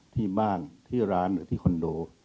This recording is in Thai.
บ้านที่ร้านหรือที่คอนโด